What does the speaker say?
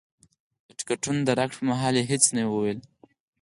د ټکټونو د راکړې پر مهال یې هېڅ نه وو ویلي.